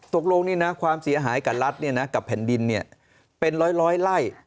ตกลงนี่นะความเสียหายกับรัฐกับแผ่นดินเป็นร้อยไล่